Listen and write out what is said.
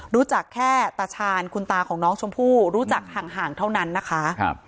รู้จักแค่ตาชาญคุณตาของน้องชมพู่รู้จักห่างเท่านั้นนะคะ